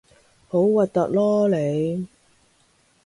好核突囉你